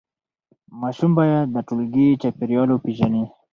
ماشوم باید د ټولګي چاپېریال وپیژني.